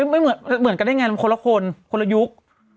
ไม่เหมือนกันได้ไงมันคนละคนคนละยุค